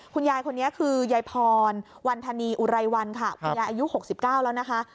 คุณยายคนนี้คือยายพรวันธนีอุไรวันค่ะคุณยายอายุ๖๙แล้วนะคะ